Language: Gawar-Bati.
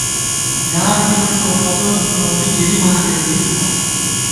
یار گِلہ ٹوپَلوت نوری ، گِری ماں لېدِی تِتہ